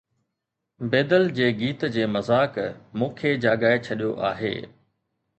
بيدل جي گيت جي مذاق مون کي جاڳائي ڇڏيو آهي